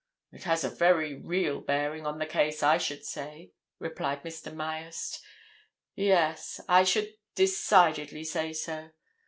"It has a very real bearing on the case, I should say," replied Mr. Myerst. "Yes, I should decidedly say so.